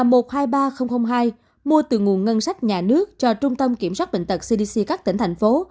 mua từ nguồn ngân sách nhà nước cho trung tâm kiểm soát bệnh tật cdc các tỉnh thành phố